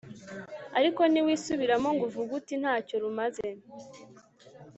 ariko ntiwisubiramo ngo uvuge uti nta cyo rumaze